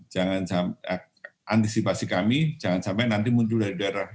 jangan sampai antisipasi kami jangan sampai nanti muncul dari daerah